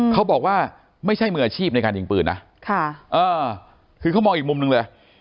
เขาบอกว่าไม่ใช่มืออาชีพในการยิงปืนนะคือเขามองอีกมุมหนึ่งเลย